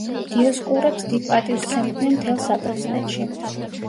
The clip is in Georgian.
დიოსკურებს დიდ პატივს სცემდნენ მთელ საბერძნეთში.